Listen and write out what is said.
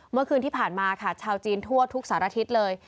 เมื่อคืนที่ผ่านมาค่ะชาวจีนทั่วทุกสารทิศเลย